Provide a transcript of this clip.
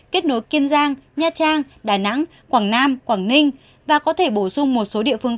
kết nối kiên giang nha trang đà nẵng quảng nam quảng ninh và có thể bổ sung một số địa phương